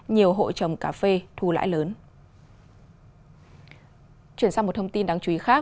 nhiều hộ trồng cà phê thu lãi lớn